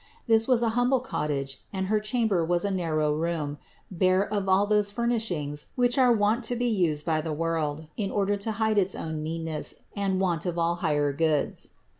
This was an humble cottage and her chamber was a narrow room, bare of all those furnishings which are wont to be used by the world in order to hide its own meanness and want of all higher goods.